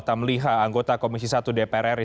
tamliha anggota komisi satu dpr ri